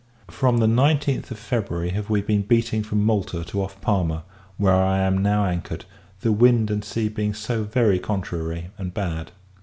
From the 19th of February, have we been beating from Malta to off Palma; where I am now anchored, the wind and sea being so very contrary and bad.